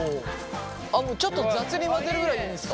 ちょっと雑に混ぜるぐらいでいいんですか？